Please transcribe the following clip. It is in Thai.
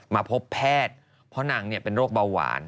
มาพบแพทย์เพราะนางเป็นโรคเบาหวาน